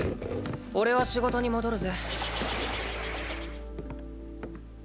おれは仕事に戻るぜ。